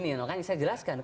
ini narasi dari pemimpin kami